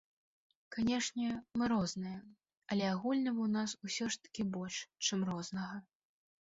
Канешне, мы розныя, але агульнага ў нас усё ж такі больш, чым рознага.